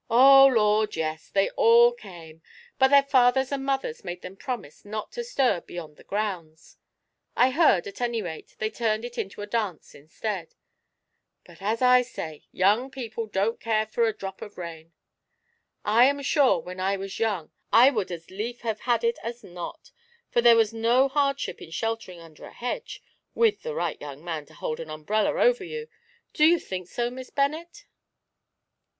"Oh, Lord, yes; they all came, but their fathers and mothers made them promise not to stir beyond the grounds. I heard, at any rate, they turned it into a dance instead. But, as I say, young people don't care for a drop of rain. I am sure, when I was young, I would as lief have had it as not, for there was no hardship in sheltering under a hedge, with the right young man to hold an umbrella over you, do you think so, Miss Bennet?"